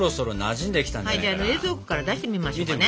じゃあ冷蔵庫から出してみましょうかね。